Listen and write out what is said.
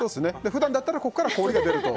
普段だったらここから氷が出ると。